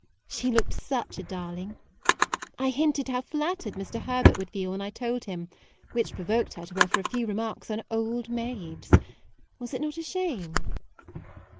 She looked such a darling. I hinted how flattered Mr. Herbert would feel when I told him; which pro voked her to offer a few remarks on old maids. Was it not a shame?